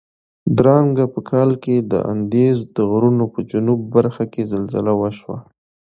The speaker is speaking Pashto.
درانګه په کال کې د اندیز د غرونو په جنوب برخه کې زلزله وشوه.